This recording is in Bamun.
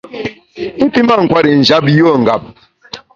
I pi mâ nkwer i njap yùe ngap.